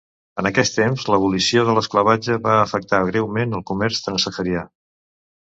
En aquest temps, l'abolició de l'esclavatge va afectar greument el comerç transsaharià.